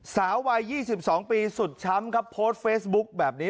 สาววัย๒๒ปีสุดช้ำครับโพสต์เฟซบุ๊คแบบนี้